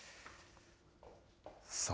さあ、